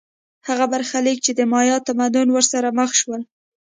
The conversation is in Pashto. هغه برخلیک چې د مایا تمدن ورسره مخ شول